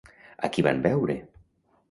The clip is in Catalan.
A qui van veure?